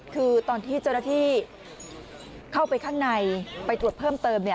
คือตอนที่เจ้าหน้าที่เข้าไปข้างในไปตรวจเพิ่มเติม